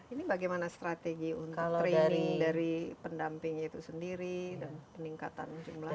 ini bagaimana strategi untuk training dari pendampingnya itu sendiri dan peningkatan jumlah